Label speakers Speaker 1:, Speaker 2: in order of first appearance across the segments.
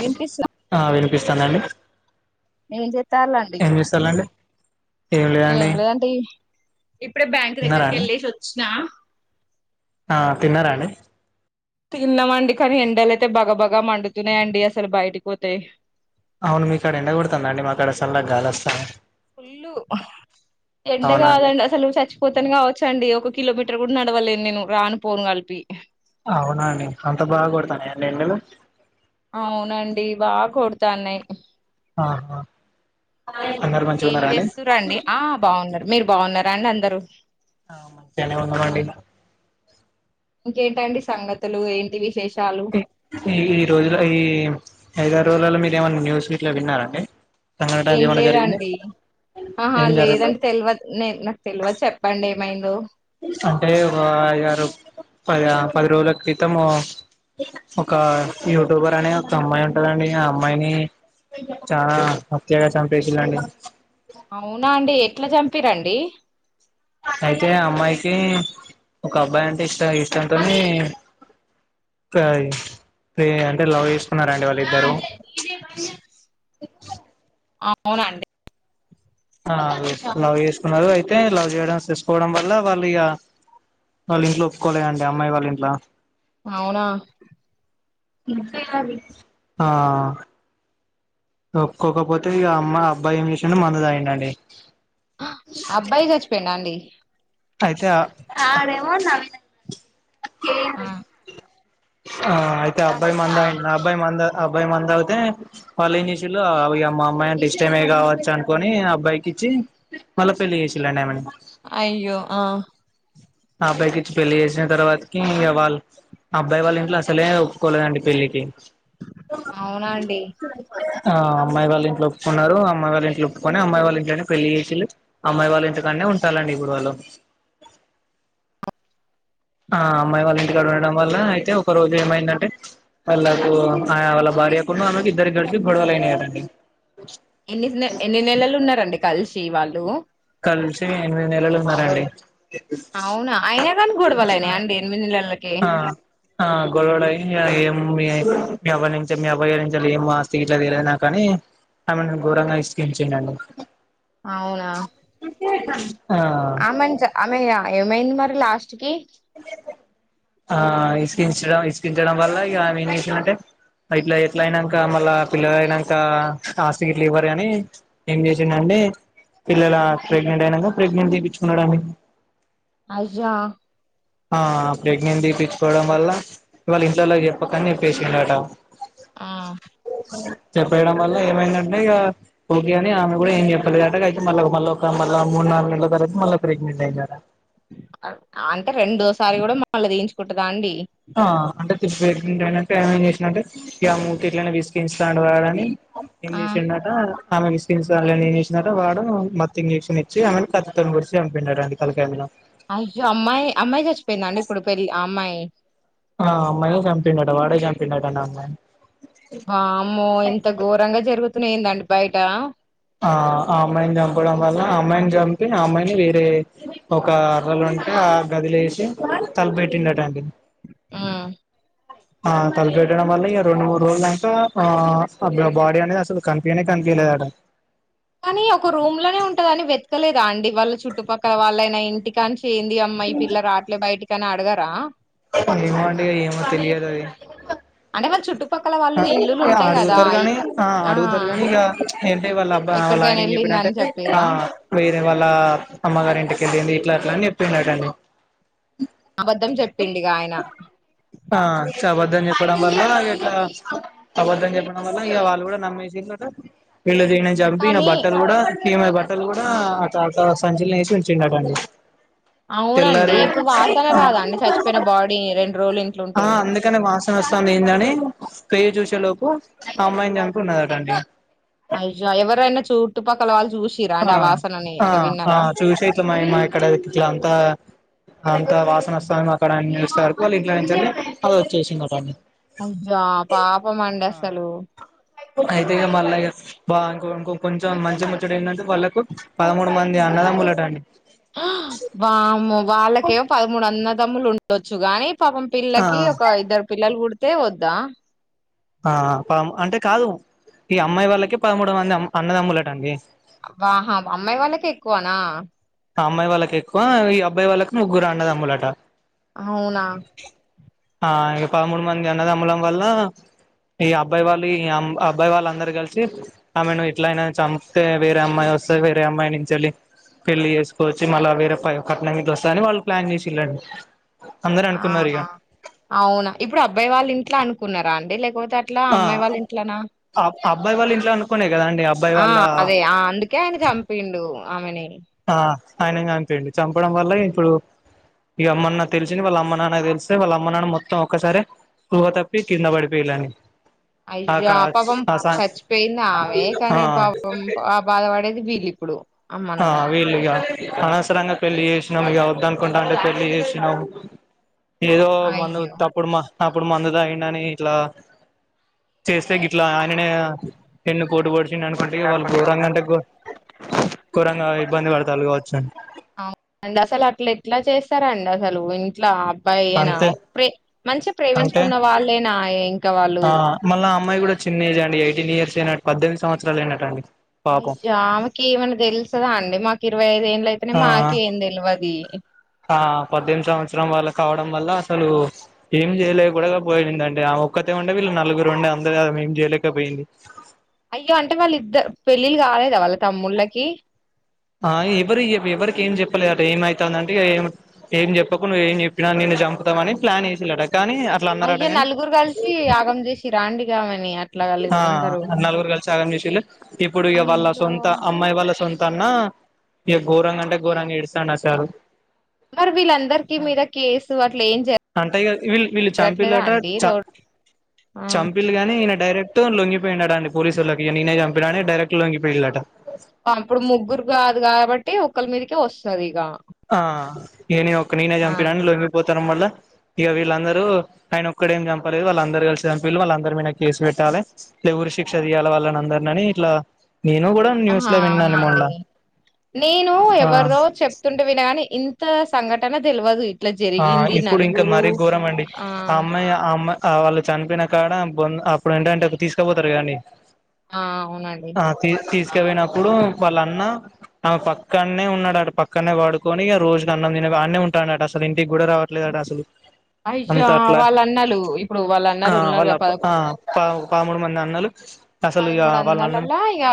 Speaker 1: వినిపిస్త
Speaker 2: ఆ వినిపిస్తానండి
Speaker 1: ఏం చేస్తాలండి
Speaker 2: ఏంపిస్తారుండి
Speaker 1: ఏం లేదండి ఇప్పుడే బ్యాంక్
Speaker 2: తిన్నారా
Speaker 1: దగ్గరకి
Speaker 2: అండి
Speaker 1: వెళ్ళేసి వచ్చిన
Speaker 2: ఆ తిన్నారా అండి
Speaker 1: కింద పండుకొని ఎండలుయితే బగా బగా మడితునే అండి అసలు బయటికి పోతే
Speaker 2: అవును మీ అక్కడ ఎండగడుతుంద అండి మాక్కడ అసలులాగా గాలి వస్తాను
Speaker 1: ఫుల్లు ఎండ
Speaker 2: అవునా అండి
Speaker 1: కాదండి అసలు చచ్చిపోతను కావచ్చ అండి ఒక కిలోమీటర్ కూడా నడవలేదు నేను రానుపోను కలిపి
Speaker 2: అవున అండి అంత బాగా కొడతాను ఆడ ఎండలు
Speaker 1: అవునండి బాగా కొడతాన్నయి
Speaker 2: ఆహా అందరు మంచిగా
Speaker 1: ఏం
Speaker 2: ఉన్నారా అండి
Speaker 1: చేస్త రండి ఆ బాగున్నారు మీరు బాగున్నారాండి అందరుూ
Speaker 2: ఆ మంచిగానే ఉన్నమండి
Speaker 1: ఇంకేంటండి సంగతులు ఏంటి విశేష
Speaker 2: ఈ ఈ రోజుల ఈ ఐదారు రోజులలో మీ ఏమన్నా న్యూస్ గిట్ల విన్నారడి
Speaker 1: ఏం లేదండి ఆహా
Speaker 2: ఏం జరగలే
Speaker 1: లేదండి తెల్వదు నేను నాకు తెల్వదు చెప్పండి మైంధో
Speaker 2: అంటే ఒక ఆరు పది పది రోజుల క్రితం ఒక యూట్యూబర్ అనే ఒక అమ్మాయి ఉంటుందండి ఆ అమ్మాయిని చాలా హత్యగా చంపించళండి
Speaker 1: అవునా అండి ఎట్లా చంపి రండి
Speaker 2: అయితే అమ్మాయికి ఒక అబ్బాయి అంటే ఇష్ట ఇష్టంతోని అంటే లవ్ చేస్ న్నడి వాళ్ళిద్దరు అ
Speaker 1: అవునండి
Speaker 2: లవ్ చేసుకున్నారు. అయితే లవ్ చేయడం తెసుకోవడం వల్ల వాళ్ళు ఇక వాళ్ళ ఇంట్లో ఒప్పుకోలేదంటా అమ్మాయి వాళ్ళ ఇంట్లో
Speaker 1: అవునా
Speaker 2: ఆ ఒక్కొక్కపోతే అమ్మా అబ్బాయి ఏం చేసిో మందుదాయంండ అండి
Speaker 1: ఆ అబ్బాయి చచ్చిపోయిండ అండి
Speaker 2: అయితే
Speaker 1: ఆ
Speaker 2: నవ్విన ఆ అయితే
Speaker 1: చెప్పండి
Speaker 2: అబ్బాయి
Speaker 1: ఆ
Speaker 2: మందా అడి అబ్బాయి మందా అబ్బాయ్ మంత అవితే వల్లేసిండ్రు అవి మా అమ్మాయి అంటే ఇష్టమే కావచ్చు అనుకుని అబ్బాయికి ఇచ్చి మళ్ళా పెళ్లి చేసిళండి ఏమ
Speaker 1: అయ్యో ఆ
Speaker 2: ఆ అబ్బాయికి ఇచ్చి పెళ్లి చేసిన తర్వాతకి వాళ్ళ అబ్బాయి వాళ్ళ ఇంట్లో అసలే ఒప్పుకోలేదండి పెళ్లికి
Speaker 1: అవునా అండి
Speaker 2: ఆ అమ్మాయి వాళ్ళ ఇంట్లో ఒప్పుకున్నారు అమ్మాయి వాళ్ళ ఇంట్లో ఒప్పుకొని అమ్మాయి వాళ్ళ ఇంట్నే పెళ్లి చేసిళ్ళి అమ్మాయి వాళ్ళ ఇంటికనే ఉంటాలండి ఇప్పుడు వాళ్ళు ఆ అమ్మాయి వాళ్ళ ఇంటికాడ ఉండడం వల్ల అయితే ఒక రోజు ఏమైందంటే వాళ్ళకు వాళ్ళ భార్యకు ఆమెకు ఇద్దరి కలిసి గొడవలు అయినాయారండి
Speaker 1: ఎన్ని ఎన్ని నెలలు ఉన్నారండి కలిసి వాళ్ళు
Speaker 2: కలిసి ఎనిమిది నెలలు ఉన్నారండి
Speaker 1: అవునా అయినా కానీ గొడవలు అయినాయ అండి ఎనిమిది నెలల
Speaker 2: ఆ ఆ గొడవలై అది మీ మీ అవ్వ నుంచి మీ అబ్బాయిగారి నుంచి ఏమో ఆస్తి ఇట్లా ఇయ్యలేదు కదా నాకని ఆమెని ఘోరంగా ఇస్కించిండంట
Speaker 1: అవునా
Speaker 2: ఆ
Speaker 1: అమెన్చ అమెజా ఏమైంది మరి లాస్ట్ కి
Speaker 2: ఆ తెలిసినా ఇస్కించడం వల్ల ఇక ఏం చేసిందంటే ఇట్లా ఎట్లా అయినాక మళ్ళా పిల్లల అయినాక ఆస్తికి ఇట్లు ఇవ్వరు అని ఏం చేసిందంటే పిల్లల ప్రెగ్నెంట్ అయినాక ప్రెగ్నెంట్ తీపించుకున్నాడనీ
Speaker 1: అయ్యో
Speaker 2: ఆ ప్రెగ్నెన్సీ తీపించుకోవడం వల్ల ఇవాళ ఇంట్లోలో చెప్పకనిప్పేసికుండట
Speaker 1: ఆ
Speaker 2: చెప్పయడం వల్ల ఏమైందంటే ఇక ఓకే అని ఆమె కూడా ఏం చెప్పలే కక అయితే మళ్ళా మళ్ళీ ఒక మళ్ళీ మూడు నాలుగు నెల తర్వాత మళ్ళా ఒక ప్రెగ్నెంట్ అయినారా
Speaker 1: అంటే రెండోసారి కూడా మళ్ళ తియించుకుంటుదా అండి
Speaker 2: ఆ అంటే తిరువే దేనక ఏమం చేసినంటే ఈ ఆ మూతి ఇట్లనే విసిగంచాడి వాడని ఏం
Speaker 1: ఆ
Speaker 2: చేసిండట ఆమె వాళ్ని ఏం చేసినారో వాడు మత్త ఇంజెక్షన్ ఇచ్చి ఆమె కత్తితోని కూ వర్ి చంపించాడుడి కలకాయలో
Speaker 1: అయ్యో అమ్మాయి అమ్మాయి చచ్చిపోయింద అండి ఇప్పుడు పెళ్ళి అమ్మాయి
Speaker 2: ఆ అమ్మయే చంపిన్ డటా వాడే చంపిన్డు అటా
Speaker 1: ఆ అమ్మో ఇంత ఘోరంగా జరుగుతు ప ఏందండి బయట
Speaker 2: ఆ ఆ అమ్మాయిని చంపడం వల్ల ఆ అమ్మాయిని చంపి ఆ అమ్మాయిని వేరే ఒక అర్రలు ఉంటే ఆ గదిలే వేసి తలుపెట్టిండటండి
Speaker 1: ఆమ్
Speaker 2: ఆ తలపెట్టడం వల్ల ఈ రెండు, మూడు రోజుల ఐతే ఆ బాడీ అనేది అసలు కనిపినే కనిపీలేదట
Speaker 1: కానీ ఒక రూమ్ లోనే ఉంటదని వెతకలేదా అండి వాళ్ళ చుట్టుపక్కల వాళ్ళయినా ఇంటి కాని ఏందీ అమ్మాయి పిల్ల రాట్లే బయటకి తన అడగరా
Speaker 2: ఏమో అండి, ఏమో తెలియదు అది
Speaker 1: అంటే వాళ్ళ చుట్టుపక్కల వాళ్ళు ఇల్లులు ఉంటాయి కదా
Speaker 2: అడుగుతారు గాని ఆ అడుగుతారు కాని ఇక ఏంటే వాళ్ళ అబ్బా వాళ్ళ
Speaker 1: ఎక్కడికైనా
Speaker 2: ఆయన ఏం చెప్పినంటే
Speaker 1: వెళ్ళిందని
Speaker 2: ఆ
Speaker 1: చెప్పిరా
Speaker 2: వేరే వాళ్ళ అమ్మగారి ఇంటికెళ్ళిడి ఇట్లా అట్లాని చెప్ కిన్ టైట్నియం ఉమ్
Speaker 1: ఆబద్దం చెప్ప పిండిగాయిన
Speaker 2: ఆ అబద్ధం చెప్పడం వల్ల ఇట్లా అబద్ధం చెప్పడం వల్ల ఇ వాళ్ళు కూడా నమ్మేసినరాట వీళ్ళ తినని చంపి ఈ
Speaker 1: కానీ
Speaker 2: బట్టలు కూడా ఇమ బట్టలు కూడా
Speaker 1: ఆ
Speaker 2: అ సంచిలో వేసి యిచ్చిండు అటా ఆమెకి
Speaker 1: అవునండి ఇప్పుడు వాసన రాదా అండి చచ్చిపోయిన బాడీ రెండు రోజులు
Speaker 2: ఆ
Speaker 1: ఇంట్లుంటే
Speaker 2: అందుకనే వాసన వస్తాంది ఏందని కయ్య చూసేలోపు ఆ అమ్మాయిని చంపి ఉన్నదటండి
Speaker 1: అఐజా ఎవరైనా చుట్టుపక్కల వాళ్ళు చూసి
Speaker 2: ఆ అ అ చూసైల మా మా ఇక్కడట్లా అంత అంత వాసన వస్తాము అక్కడ అన్న ఇస్తే వరకు వాళ్ళు ఇంట్లో నుంచి అ వచ్చేసిటన్ని
Speaker 1: అజా పాపం మండి అస్సలు
Speaker 2: అయితే ఇక మళ్ళీ ఇం కొంచెం మంచి ముచ్చడు ఏంటంటే వాళ్ళకు పదమూడు మంది అన్నదమ్ములట అండి
Speaker 1: వామో వాళ్ళకే పదమూడు అన్న తమ్ములు ఉండొచ్చు గానీ పాపం
Speaker 2: ఆ
Speaker 1: పిల్లకి ఒక ఇద్దరు పిల్లలు పుడితే స్తేవ వద్దా
Speaker 2: ఆ అంటే కాదు ఈ అమ్మాయి వాళ్ళకి పదమూడు మంది అన్నదమ్ములటండి
Speaker 1: హా అమ్మాయి వాళ్ళకే ఎక్కువనా
Speaker 2: ఆ అమ్మాయి వాళ్ళకి ఎక్కువ ఈ అబ్బాయి వాళ్ళకి ముగ్గురు అండదు అమ్ములట
Speaker 1: అవునా
Speaker 2: ఆ ఇక పదమూడు మంది అన్నద అమలం వల్ల ఈ అబ్బాయి వాళ్ళు ఈ అబ్బాయి వాళ్ళ అందరు కలిసి ఆమెను ఎట్ల అయినా చంపితే వేరే అమ్మాయి వస్తే వేరే అమ్మాయి నుంచి వెళ్ళి పెళ్ళలి చేసుకోవచ్చు మళ్ళా వేరే ప పట్నంట్లో వస్తా అని వాళ్ళు ప్లాన్ చేసిళ్ళండి అందరు అనుకున్నారు ఇక
Speaker 1: ఆహా అవునా ఇప్పుడు అబ్బాయి వాళ్ళు ఇంట్లో అను ఉన్నర అండి లేకపోతే అట్లా
Speaker 2: ఆ
Speaker 1: అమ్మాయి వాళ్ళ ఇంట్లనా
Speaker 2: అబ్బాయి వాళ్ళ ఇంట్లో అనుకునే కదా అండి అబ్బాయి
Speaker 1: ఆ
Speaker 2: వాళ్ళ
Speaker 1: అదే అందుకే ఆయన చంపిండు ఆమెనేలు
Speaker 2: ఆ ఆయన చంపండి చంపడం వల్ల ఇప్పుడు ఈ అమ్మన్న తెలిసినని వాళ్ళ అమ్మ నాన్న తెలిస్తే వాళ్ళ అమ్మ నాన్న మొత్తం ఒకక్కసారి ఊహ తప్పి కింద పడిపోయిాలని
Speaker 1: అయ్యో ఆ పాపం చచ్చిపోయింది ఆమె
Speaker 2: ఆ
Speaker 1: కానీ పాపం బాధపడేది వీళ్ళు ఇప్పుడు అమ్మ
Speaker 2: ఆ
Speaker 1: నాన్న
Speaker 2: వీళ్ళిగా అనవసరంగా పెళ్లి చేసినాం ఇక వద్ద అనుకుంటా అంటే పెళ్లి చేసినాము ఏదో మన
Speaker 1: అయ్యో
Speaker 2: తప్పుడుమా అప్పుడు మందు తగిడిని ఇట్లా చేస్తే ఇట్లా న ఎన్ను కోటు పడిచ అనుకుంటే వాళ్ళు ఘోరంగా అంటే కూరంగా ఇబ్బంది పడతారు కావచ్చు
Speaker 1: ఇట్లా చేస్తారండి అసలు ఇంట్లా అబనా
Speaker 2: అంతే
Speaker 1: ప్రే మంచిగా
Speaker 2: అంటే
Speaker 1: ప్రేమించుకున్న వాళ్ళేనా ఇంకా వాళ్ళు
Speaker 2: ఆ మళ్ళా ఆ అమ్మాయి కూడా చిన్న ఏజ్ అం ఎయిటీన్ ఇయస్ ఏనా పద్దనిమిది సంవత్సలు ఏనాటుండి
Speaker 1: అయజామెకి ఏమైన్నా తెలుసదా అండి మాకు ఇరవైఐదు అయితేనే
Speaker 2: ఆ
Speaker 1: మాక ఏం తెలివది
Speaker 2: ఆ పద్దెనిమిది సంవత్సరం వల్ల కావడం వల్ల అసలు ఏమి చేయలేకడా పోయింద అంటే ఆమె ఒక్కతే ఉండే వీళ్ళు నలుగురు ఉండే అందర ఏం చేయలేకపోయింది
Speaker 1: అయ్యో అంటే వాళ్ళ ఇద్దరు పెళ్ళిళ్ళ కాలేద వాళ్ళ తమ్ముళ్ళకి
Speaker 2: ఆ ఎవరి ఎవరికి ఏం చెప్పలే అట ఏమవుతుందంటే ఏ ఏం చెప్పకు నువ్వు ఏం చెప్పినా నన్నను చంపుతాం అని ప్లాన్ చేసలాట
Speaker 1: అయ్య నలుగురు కలిసి ఆగం చేసి రారాండిగావని
Speaker 2: ఆ నాలుగురు కలిసి ఆగం చేసిళ్ళు ఇప్పుడు వాళ్ళ
Speaker 1: అయ్యో
Speaker 2: సొంత అమ్మాయి వాళ్ల సొంత తన్నా ఇ ఘోరంగ అంటే ఘరంగా ఏడుస్తాను సారు
Speaker 1: మరి వీళ్ళందరిక మీద కేసు అట్లా ఏం
Speaker 2: అంటే ఇక వీళ్ళు వీళ్ళు
Speaker 1: జరగట్లేదా
Speaker 2: చంపిల్లట
Speaker 1: అండి
Speaker 2: చ
Speaker 1: రోడ్ ఆ
Speaker 2: మొత్తం లొంగిపోయినడండి పోలీసులకి నీనే చంపినడా డైరెక్ట్ లొంగిపోయిల్లట
Speaker 1: అప్పుడు ముగ్గురు కాదు కాబట్ టే ఒకలి మీదకే వస్తుదిగ
Speaker 2: ఆ నేను ఒక నేనే
Speaker 1: ఆహా
Speaker 2: చంపినాను లొంగిపోతాను మళ్ల ఇగ వీళ్ళందరూ ఆయన ఒక్కడేం చంపలేదు. వాళ్ళందరు కలిసి చంపిల్లు వాళ్ళందరి మీన కేసు పెట్టాలే ఉరి శిక్ష తీయాల వాళ్ళని అందర్ననీ ఇట్లా నేను కూడా న్యూస్
Speaker 1: హా
Speaker 2: లో విన్నాను మొన్న
Speaker 1: అవునండి నేను
Speaker 2: ఆ
Speaker 1: ఎవరిదో చెప్తుంటే వినగాని ఇంత సంఘటన తెల్వదు ఇ
Speaker 2: ఆ ఇప్పుడు ఇంకా మరీ ఘోరం అండి ఆ అమ్మాయి ఆ అమ్మాయ్ ఆ వాళ్ళు చనిపోయిన కాడ అప్పుడు ఏంటంటే తీసుకుపోతరు కాండీ
Speaker 1: ఆ అవునండి
Speaker 2: ఆ తీ తీస్కపోయినప్పుడు వాళ్ళ అన్న ఆమె పక్కనే ఉన్నాడాడు పక్కనే వాడుకొని రోజు అన్నం తిన అన్న ఉంటాడుట ఇ కూడా రావట్లేదు అసలు
Speaker 1: అయ్యా
Speaker 2: అంతా అట్లా
Speaker 1: వాళ్ళన్నలు ఇప్పుడు
Speaker 2: ఆ
Speaker 1: వాళ్ళన్నారు
Speaker 2: వాళ్ళ
Speaker 1: ఉన్నారుగా పదకొ
Speaker 2: పా పామూడు మంది అన్నలు అసలు ఇ
Speaker 1: పదమూడు
Speaker 2: వాళ్ళ అన్నం
Speaker 1: వందలలా ఇగ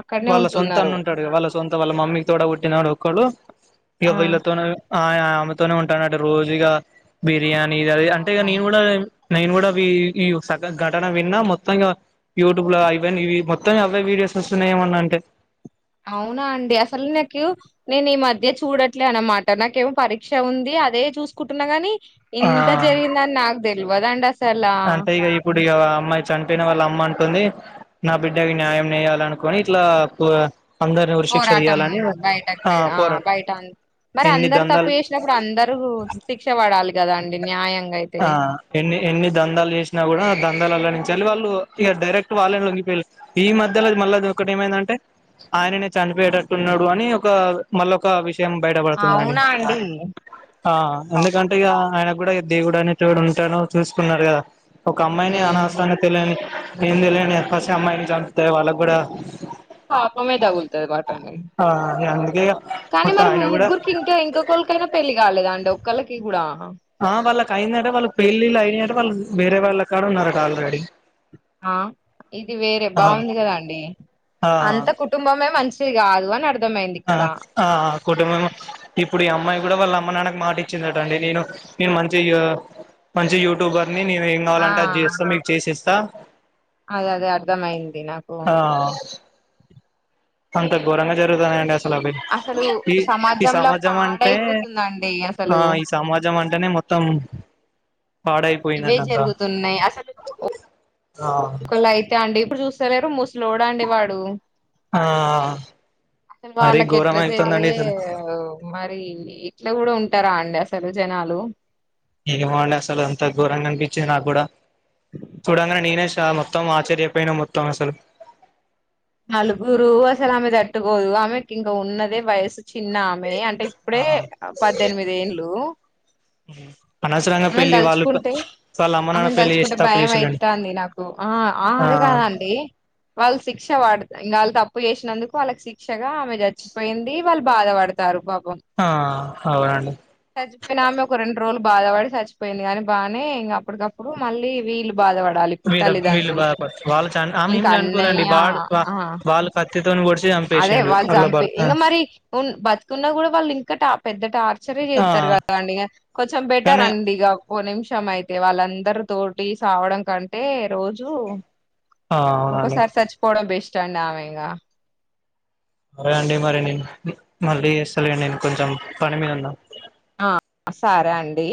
Speaker 1: అక్కడనే
Speaker 2: వాళ్ళ సొంత అన్ను
Speaker 1: ఉంటున్నారు
Speaker 2: ఉంటాడు వాళ్ళ సొంత వాళ్ళ మమ్మీకి తో పుట్టినడు క్కడు
Speaker 1: ఆ
Speaker 2: ఇవైలతో నే ఉంటానడు రోజిగా బిర్యానీ ఇది అ అంటే ఇ
Speaker 1: పాపం
Speaker 2: నేను కూడా నేను కూడా వీ ఈ సగ ఘటన విన్నా మొత్తంగా యూట్యూబ్ లో ఐవన్ ఇవి మొత్తం అవే వీడియోస్ వస్తున్నాయ ఏమన్నా అంటే.
Speaker 1: అవునా అండి అసలు నాకు నేను ఈ మధ్య చూడట్లే అనమాట నాకేమొ పరీక్ష ఉంది అదే చూసుకుంటున్నా గాని,
Speaker 2: ఆ
Speaker 1: ఇంత జరిగిందని నాకు తెల్వదండి అసలా
Speaker 2: అంటే ఇగ ఇప్పుడు ఇగ అమ్మాయి చనిపోయిన వాళ్ళ అమ్మ అం తుది నా బిడ్డకి న్యాయం నేయాల అనుకుని ఇట్లా అందరిని ఉరిశిక్ష
Speaker 1: పోరాటం
Speaker 2: తీయాలని
Speaker 1: బయటకు ఆ బయట మరి
Speaker 2: ఎన్ని
Speaker 1: అందరు తప్పు
Speaker 2: దందాలు
Speaker 1: చేసినప్పుడు అందరూ శిక్ష పడాలి. కదండి న్యాయం
Speaker 2: ఆ ఎన్ని ఎన్ని దందాలు చేసినా కూడా దందాలలో నుంచి అ వాళ్ళు ఇక డైరెక్ట్ వాల్లే లొంగిపోయిల్లు. ఈ మధ్యలోది మళ్ళది ఒకటి ఏమైందంటే ఆయననే చనిపోయేటట్టున్నాడు అని ఒక మళ్ళ ఒక విష త్యం బయటపడుతుందని
Speaker 1: అవునా అండి
Speaker 2: ఆ ఎందుకంటే ఇగ ఆయన కూడ దేవుడు అనే తోడు ఉంటనో చూసుకున్నారు కదా ఒక అమ్మాయిని అనసరంగ తెలియని ఏం తెలియని పసి అమ్మాయిని చంపుతే వాళ్ళకి కూడా
Speaker 1: పాపమే తగుల్తాది బటనే
Speaker 2: ఆ అందుకే ఇగ
Speaker 1: కానీ
Speaker 2: మొత్తం
Speaker 1: మరి
Speaker 2: ఆయన కూడా
Speaker 1: ముగ్గురికి ఇంకా ఇంకొకలి కైనా పెళ్ళి కాలేదా అండి ఒక్కల్లికి కూడా.
Speaker 2: ఆ వాళ్ళకి అయిందట వాళ్ళకి పెళ్ళిళ్ళ అయినట వాళ్ళు వేరే వాళ్ళకాడ ఉన్నారట ఆల్రెడీ.
Speaker 1: ఆ ఇది వేరే
Speaker 2: ఆ
Speaker 1: బాగుంది కదాండి
Speaker 2: ఆ
Speaker 1: అంత కుటుంబమే మంచి అది [unintelligible]
Speaker 2: ఆ కుటుంబం ఇప్పుడు ఈ అమ్మాయి కూడా వాళ్ళ అమ్మ నాన్నకు మాట ఇచ్చిందటండి నేను నేను మంచి మంచి యూట్యూబర్ అన్నీ నేను న ఏం
Speaker 1: ఆ
Speaker 2: కావాలంటే అది చేస్తా మీకు చేసేస్త స
Speaker 1: అదే అదే అర్థమైంది
Speaker 2: ఆ అంత ఘోరంగా జరుగుతున్నాధండి అసలు అవి
Speaker 1: అసలు
Speaker 2: ఈ ఈ
Speaker 1: సమాజంలో
Speaker 2: సమాజం అంటే
Speaker 1: పాడైపోతుందండి అసలు
Speaker 2: ఈ సమాజం అంటే వెంటనే మొత్తం
Speaker 1: ఇవే
Speaker 2: పాడైపోయిందండి అంతా
Speaker 1: జరుగుతున్నాయి అసలు
Speaker 2: ఆ
Speaker 1: ఒకల్లయితే అండి ఇప్పుడు చూస్తలేరు ముసలోడండి వాడు
Speaker 2: ఆ
Speaker 1: అసలు
Speaker 2: మరీ
Speaker 1: వాళ్ళకి
Speaker 2: ఘోరం
Speaker 1: ఎట్ల చే
Speaker 2: అయితుందండి అసలు
Speaker 1: మరి ఇట్లా కూడా ఉంటారా అండి అసలు జనాలు
Speaker 2: ఎదవలు అసలు అంత గోరంగనబీచ్నారు నాక్కూడా చూడంగానే నీనేష్ మొత్తం ఆశ్చ్య పైన మొత్తం సార్
Speaker 1: నలుగురు అసలు ఆమె తట్టుకోదు ఆమెకి ఇంక ఉన్నదే వయసు చిన్నమె అంటే ఇప్పుడే
Speaker 2: ఆ
Speaker 1: పద్దెనిమిది ఏళ్ళు
Speaker 2: అనవసరంగా
Speaker 1: ఆమెను
Speaker 2: పెళ్లి వాళ్ళు
Speaker 1: తలుచుకుంటే
Speaker 2: వాళ్ళ అమ్మ నాన్న
Speaker 1: ఆమెను
Speaker 2: పెళ్లి చేసి
Speaker 1: తలుచుకుంటే
Speaker 2: తప్పు
Speaker 1: భయం
Speaker 2: చేసిళ్ళండి
Speaker 1: అయితాంధి నాకు ఆ
Speaker 2: ఆ
Speaker 1: అది కాదండి వాళ్ళు ఇంకా వాళ్ళు తప్పు చేసినందుకు వాళ్ళకి శిక్షగా ఆమె చచ్చిపోయింది వాళ్ళు బాధపడతారు పాప
Speaker 2: ఆ అవునండి
Speaker 1: చచ్చిపోయిన ఆమె ఒక రెండు రోజులు బాధపడి చచ్చిపోయింది కానీ బాగానే ఇంక అప్పుటికప్పుడు మళ్ళీ వీళ్ళు బాధపడాలి ఇప్పుడు
Speaker 2: మీద వీళ్ళు
Speaker 1: తల్లిదండ్రులు
Speaker 2: బాధపడుతున్న వాళ్ళ చ ఆమె ఏం
Speaker 1: ఇంకా
Speaker 2: చనిపోలేండి
Speaker 1: అన్నయ్య
Speaker 2: వాడు
Speaker 1: ఆ
Speaker 2: వాళ్ళు కత్తితో
Speaker 1: అదే వాళ్ళు చంపి ఇంకా మరి బతుకున్న కూడా వాళ్ళు ఇంకా ట పెద్ద టార్చరే
Speaker 2: ఆ
Speaker 1: చేస్తారు కదండి ఇంక కొంచెం బెటర్
Speaker 2: కానీ
Speaker 1: అండి ఇక ఓ నిమిషం అయితే వాళ్ళందరి తోటి సావడం కంటే రోజూ
Speaker 2: ఆ అవునండి
Speaker 1: ఒక్కోసారి సచ్చిపోవడం బెస్ట్ చండాలంగా
Speaker 2: అరే అండి మరి నేను మళ్ళీ చేస్తానుండి నేను కొంచెం పని మీద ఉన్నా
Speaker 1: ఆ సరే అండి